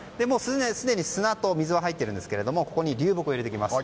すでに砂と水は入っているんですがここに流木を入れていきます。